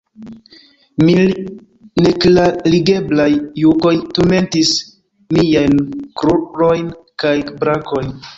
Mil neklarigeblaj jukoj turmentis miajn krurojn kaj brakojn.